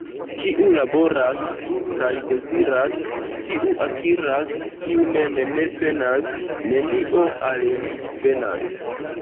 Kiu laboras kaj deziras, tiu akiras, — kiu mem ne penas, nenio al li venas.